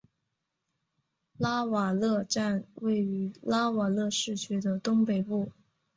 拉瓦勒站位于拉瓦勒市区的东北部。